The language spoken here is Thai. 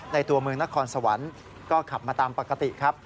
ตัวเมืองนครสวรรค์ก็ขับมาตามปกติครับ